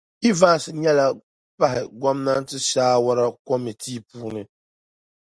Evans nyɛla pahi gɔmnanti saawara kɔmitii puuni